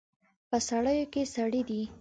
په سړیو کې سړي دي